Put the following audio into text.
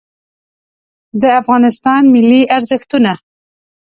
د افغانستان ملي ارزښتونه